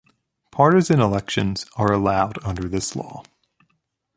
Partisan elections are allowed under this law.